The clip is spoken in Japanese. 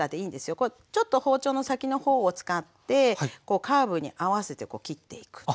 ちょっと包丁の先のほうを使ってこうカーブに合わせて切っていく。